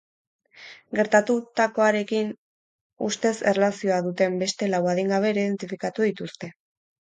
Gertatutakoarekin ustez erlazioa duten beste lau adingabe ere identifikatu dituzte.